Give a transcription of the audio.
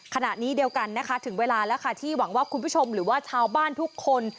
ขณะเดียวกันนะคะถึงเวลาแล้วค่ะที่หวังว่าคุณผู้ชมหรือว่าชาวบ้านทุกคน